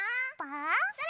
それ！